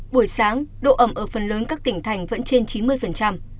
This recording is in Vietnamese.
buổi sáng độ ẩm ở phần lớn các tỉnh thành vẫn trên chín mươi